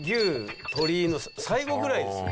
最後ぐらいですよ。